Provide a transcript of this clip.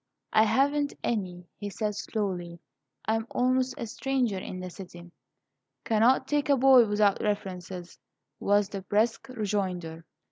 "I haven't any," he said, slowly. "I am almost a stranger in the city." "Cannot take a boy without references," was the brusque rejoinder.